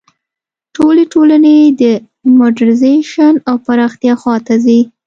ټولې ټولنې د موډرنیزېشن او پراختیا خوا ته ځي.